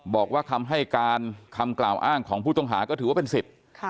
บอกว่าคำให้การคำกล่าวอ้างของผู้ต้องหาก็ถือว่าเป็นสิทธิ์